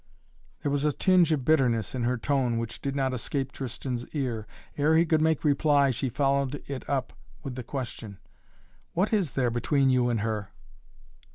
There was a tinge of bitterness in her tone which did not escape Tristan's ear. Ere he could make reply, she followed it up with the question: "What is there between you and her?"